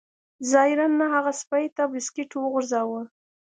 ظاهراً نه هغه سپي ته بسکټ وغورځاوه